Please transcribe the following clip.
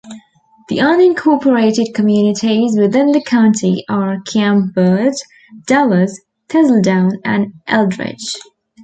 The unincorporated communities within the county are Camp Bird, Dallas, Thistledown, and Eldredge.